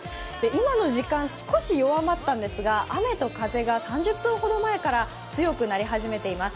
今の時間、少し弱まったんですが、雨と風が３０分ほど前から強くなり始めています。